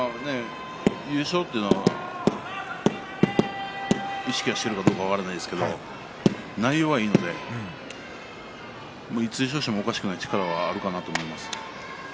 優勝というのは意識はしているかどうか分かりませんが内容がいいのでいつ優勝してもおかしくない力はあるかと思います。